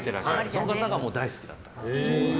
その方が大好きだったんです。